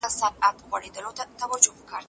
دواړه ځي د یوه پاک دیدن لپاره